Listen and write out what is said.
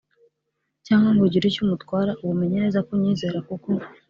Cyangwa ngo ugire icyo umutwara ubu menye neza ko unyizera kuko